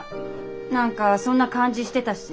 何かそんな感じしてたし。